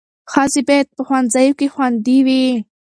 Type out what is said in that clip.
ښځې باید په ښوونځیو کې خوندي وي.